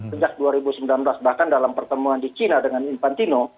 sejak dua ribu sembilan belas bahkan dalam pertemuan di china dengan infantino